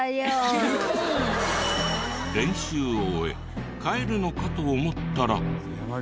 練習を終え帰るのかと思ったら。